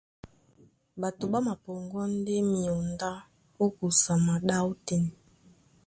Ɓato ɓá mapɔŋgɔ́ ndé myǒndá ó kusa maɗá ótên.